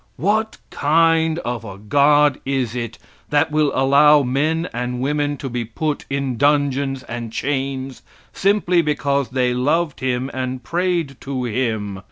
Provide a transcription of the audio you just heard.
What kind of a God is it that will allow men and women to be put in dungeons and chains simply because they loved Him and prayed to Him?